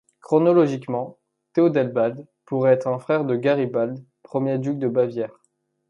Chronologiquement, Theodebald pourrait être un frère de Garibald, premier duc de Bavière.